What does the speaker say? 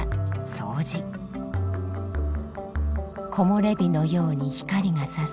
木もれ日のように光がさす